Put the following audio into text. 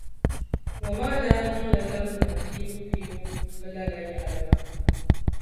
Ŋɔ maa daa niŋ la labi-niŋ piibu-piibu bɛ lala yaɣili maa.